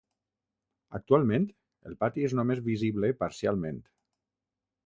Actualment el pati és només visible parcialment.